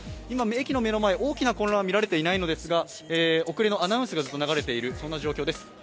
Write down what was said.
今駅の目の前、大きな混乱は見られていないのですが遅れのアナウンスがずっと流れている状況です。